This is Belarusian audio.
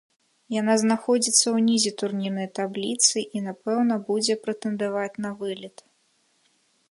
Яна знаходзіцца ўнізе турнірнай табліцы і, напэўна, будзе прэтэндаваць на вылет.